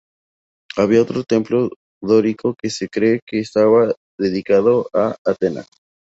Había otro templo dórico que se cree que estaba dedicado a Atenea.